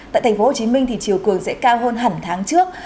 tại tp hcm thì chiều cường sẽ cao hơn hẳn tháng trước